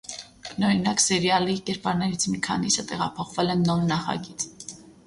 Բնօրինակ սերիալի կերպարներից մի քանիսը տեղափոխվել են նոր նախագիծ։